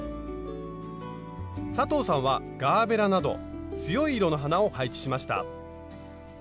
佐藤さんはガーベラなど強い色の花を配置しました。